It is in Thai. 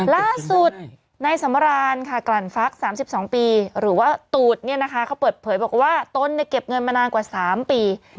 ล่าสุดในสำรานค่ะกลั่นฟัก๓๒ปีหรือว่าตูดเขาเปิดเผยบอกว่าตนเก็บเงินมานานกว่า๓ปี